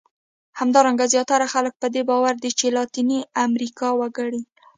همدارنګه زیاتره خلک په دې باور دي چې لاتیني امریکا وګړي.